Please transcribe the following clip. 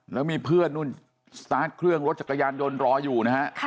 และมีเพื่อนสุดซ้ำเครื่องรถจักรยานรอยอยู่นะฮะ